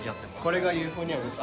これがユーフォニアムです。